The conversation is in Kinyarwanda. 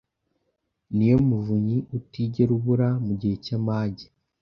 ni yo muvunyi utigera abura mu gihe cy’amage